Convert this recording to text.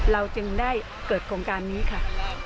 เราจึงได้เกิดโครงการนี้ค่ะ